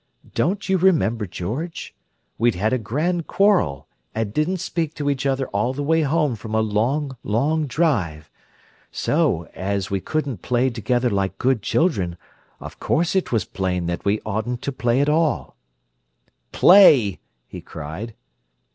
"Don't you remember, George? We'd had a grand quarrel, and didn't speak to each other all the way home from a long, long drive! So, as we couldn't play together like good children, of course it was plain that we oughtn't to play at all." "Play!" he cried.